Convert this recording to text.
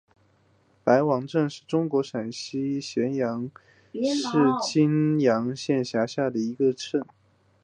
白王镇是中国陕西省咸阳市泾阳县下辖的一个镇。